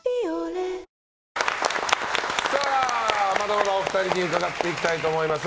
まだまだお二人に伺っていきたいと思います。